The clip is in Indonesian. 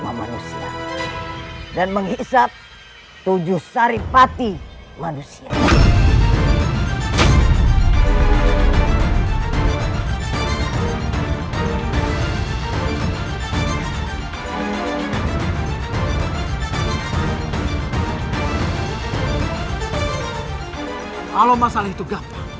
kalau masalah itu gampang